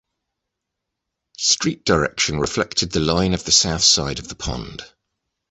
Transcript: Street direction reflected the line of the south side of the pond.